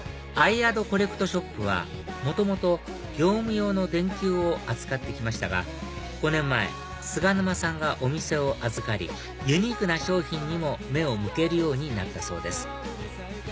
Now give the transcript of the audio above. ａｉａｄｃｏｌｌｅｃｔｓｈｏｐは元々業務用の電球を扱って来ましたが５年前菅沼さんがお店を預かりユニークな商品にも目を向けるようになったそうです